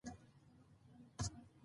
وروسته یې بیا هډوکي راوباسي.